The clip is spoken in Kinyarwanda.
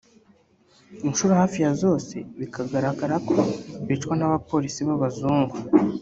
inshuro hafi ya zose bikagaragarako bicwa n’abapolisi b’abazungu